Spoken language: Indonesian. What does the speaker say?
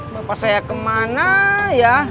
bapak saya kemana ya